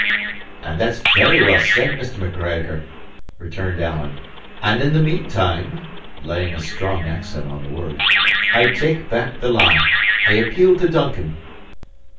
"And that's very well said, Mr. Macgregor," returned Alan; "and in the meantime" (laying a strong accent on the word) "I take back the lie. I appeal to Duncan."